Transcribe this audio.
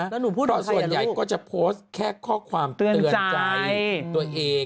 แล้วหนูพูดถึงใครอย่างนู้นพอส่วนใหญ่ก็จะโพสต์แค่ข้อความเตือนใจตัวเอง